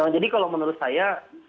jadi kalau menurut saya